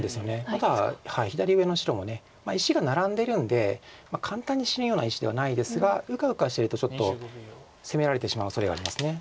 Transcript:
ただ左上の白も石がナラんでるんで簡単に死ぬような石ではないですがうかうかしてるとちょっと攻められてしまうおそれがあります。